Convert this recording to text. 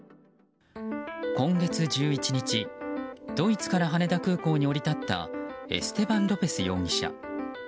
今月１１日、ドイツから羽田空港に降り立ったエステバン・ロペス容疑者。